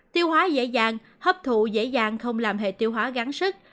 tiêu hóa dễ dàng hấp thụ dễ dàng không làm hệ tiêu hóa gắn sức